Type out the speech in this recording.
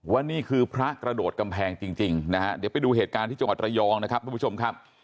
นี่คือพระกระโดดกำแพงจริงนะฮะเดี๋ยวไปดูเหตุการณ์ที่จังหวัดระยองนะครับทุกผู้ชมครับ